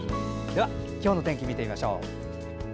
今日の天気、見てみましょう。